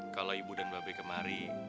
kalau ibu dan babes kemari